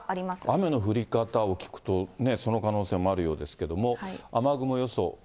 雨の降り方を聞くと、その可能性もあるようですけれども、雨雲予想。